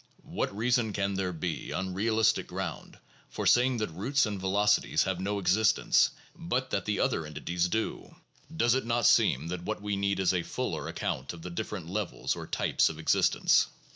7 "What reason can there be, on realistic ground, for saying that roots and velocities have no existence, but that the other entities do? Does it not seem that what we need is a fuller account of the different levels or types of existence?